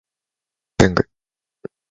文具